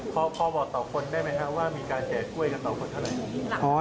พอบอกต่อคนได้ไหมครับว่ามีการแจกกล้วยกันต่อคนเท่าไหร่